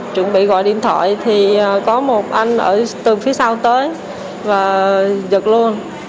chuẩn bị gọi điện thoại thì có một anh ở từ phía sau tới và giật luôn